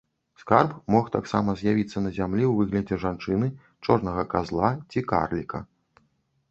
Скарб мог таксама з'явіцца на зямлі ў выглядзе жанчыны, чорнага казла ці карліка.